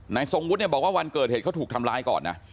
ทรงวุฒิเนี่ยบอกว่าวันเกิดเหตุเขาถูกทำร้ายก่อนนะ